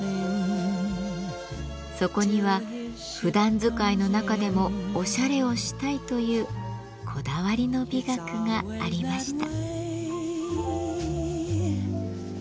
そこには「ふだん使いの中でもおしゃれをしたい」というこだわりの美学がありました。